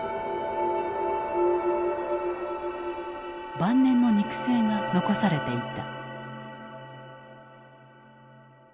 晩年の肉声が残されていた。